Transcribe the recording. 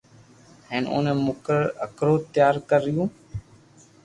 ھين اوني ھکرو تيار ڪريو